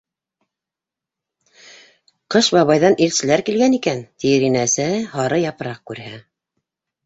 «Ҡыш бабайҙан илселәр килгән икән!» - тиер ине әсәһе, һары япраҡ күрһә.